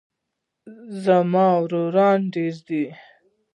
زما ورونه ډیر دي